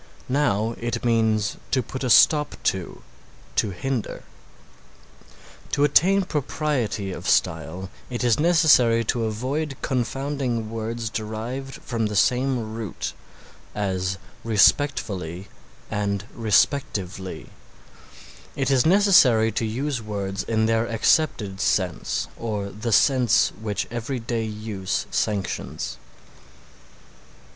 Now it means to put a stop to, to hinder. To attain propriety of style it is necessary to avoid confounding words derived from the same root; as respectfully and respectively; it is necessary to use words in their accepted sense or the sense which everyday use sanctions.